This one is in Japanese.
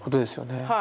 はい。